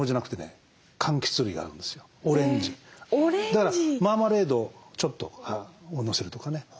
だからマーマレードをちょっとのせるとかね。